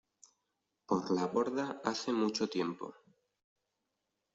por la borda hace mucho tiempo.